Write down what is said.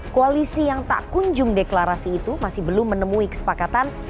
koalisi yang tak kunjung deklarasi itu masih belum menemui kesepakatan